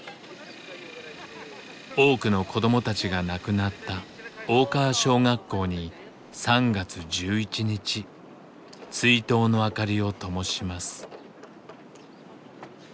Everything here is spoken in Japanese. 多くの子どもたちが亡くなった大川小学校に３月１１日追悼の灯りをともします。